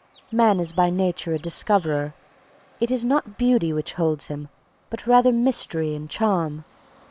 Man is by nature a discoverer. It is not beauty which holds him, but rather mystery and charm.